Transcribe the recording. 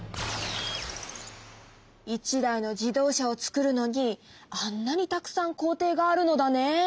１台の自動車をつくるのにあんなにたくさん工程があるのだね。